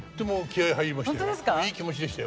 いい気持ちでしたよ。